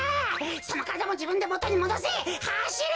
そのからだもじぶんでもとにもどせ！はしれ！